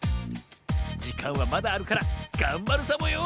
じかんはまだあるからがんばるサボよ